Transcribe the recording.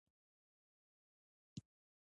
عضوي کرنه په نړۍ کې ارزښت لري